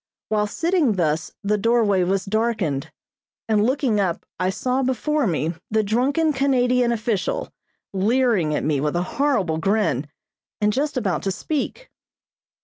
While sitting thus the doorway was darkened, and looking up I saw before me the drunken Canadian official, leering at me with a horrible grin, and just about to speak.